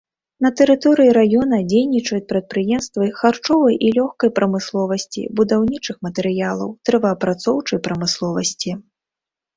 На тэрыторыі раёна дзейнічаюць прадпрыемствы харчовай і лёгкай прамысловасці, будаўнічых матэрыялаў, дрэваапрацоўчай прамысловасці.